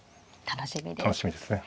楽しみですね。